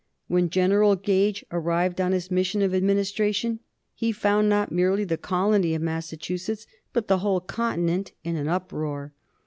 When General Gage arrived on his mission of administration he found not merely the colony of Massachusetts, but the whole continent in an uproar.